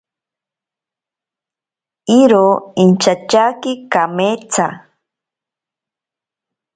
Iro inchatyaki kameetsa.